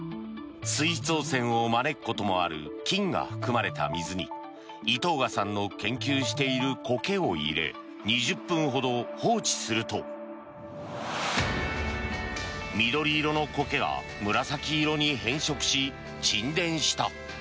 水質汚染を招くこともある金が含まれた水に井藤賀さんの研究しているコケを入れ２０分ほど放置すると緑色のコケが紫色に変色し沈殿した。